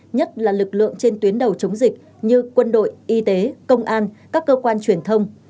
nhất là lực lượng trên tuyến đầu chống dịch như quân đội y tế công an các cơ quan truyền thông